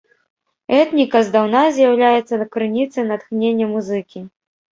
Этніка здаўна з'яўляецца крыніцай натхнення музыкі.